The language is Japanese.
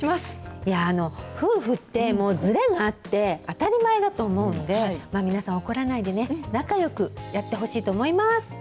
いや、夫婦って、もうずれがあって当たり前だと思うので、皆さん、怒らないでね、仲よくやってほしいと思います。